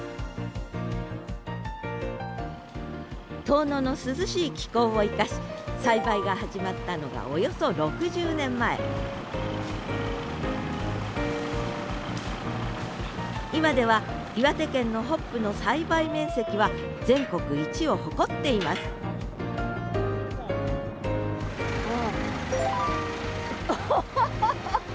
遠野の涼しい気候を生かし栽培が始まったのがおよそ６０年前今では岩手県のホップの栽培面積は全国一を誇っていますアハハハハッ！